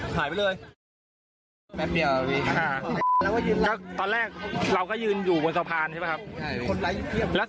เขาบอกว่าสะพานมันเลื่อนแต่ก็ทำแลมไม่ทันแล้วอ๋อ